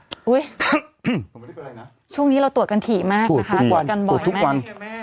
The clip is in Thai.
มันไม่ได้เป็นไรนะช่วงนี้เราตรวจกันถี่มากนะคะตรวจกันบ่อยมากตรวจทุกวัน